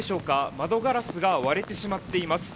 窓ガラスが割れてしまっています。